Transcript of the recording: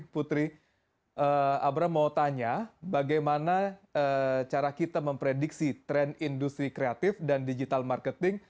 putri abraham mau tanya bagaimana cara kita memprediksi tren industri kreatif dan digital marketing